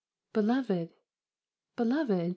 " Beloved ! Beloved